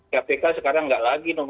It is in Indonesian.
kpk sekarang tidak lagi nomor satu